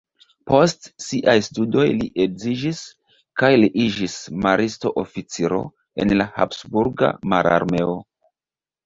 Post siaj studoj li edziĝis kaj li iĝis maristo-oficiro en la Habsburga mararmeo.